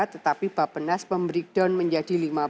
tetapi bappenas memberikan down menjadi lima belas